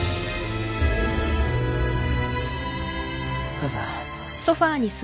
母さん。